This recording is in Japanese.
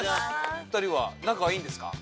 ２人は仲がいいんですか？